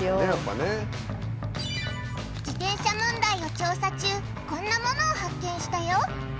自転車問題を調査中こんなものを発見したよ